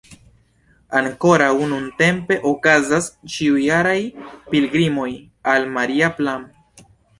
Ankoraŭ nuntempe okazas ĉiujaraj pilgrimoj al Maria Plan.